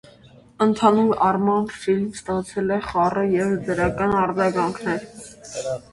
Ընդհանուր առմամբ ֆիլմն ստացել է խառը և դրական արձագանքներ։